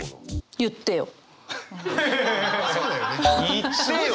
「言ってよ！」。